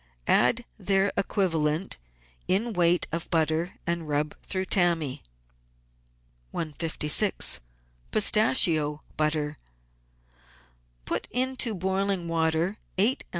Add their equivalent in weight of butter and rub through tammy. 156— PISTACHIO BUTTER Put into boiling water eight oz.